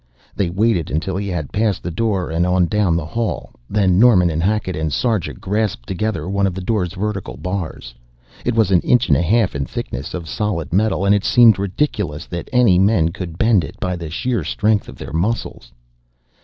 They waited until he had passed the door and on down the hall, then Norman and Hackett and Sarja grasped together one of the door's vertical bars. It was an inch and a half in thickness, of solid metal, and it seemed ridiculous that any men could bend it by the sheer strength of their muscles.